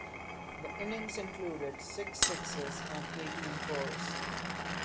The innings included six sixes and eighteen fours.